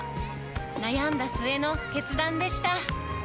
悩んだ末の決断でした。